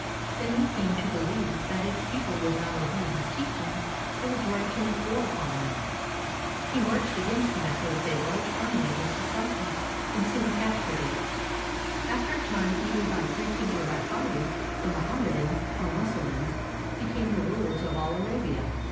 Then he came to beUeve that if people would not obey his teachings, it was right to make war upon them. He marched against Mecca with a large army of his dis ciples, and soon captured it. After a time, either by preaching or by fighting, the Mohammedans, or Mus sulmans, became the rulers of all Arabia.